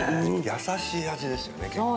優しい味ですよね結構ね。